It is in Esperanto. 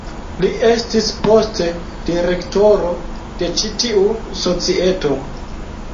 Li estis poste direktoro de ĉi-tiu societo.